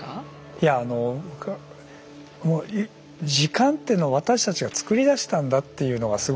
いや僕はもう時間っていうの私たちがつくりだしたんだっていうのがすごく。